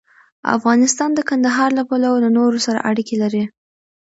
افغانستان د کندهار له پلوه له نورو سره اړیکې لري.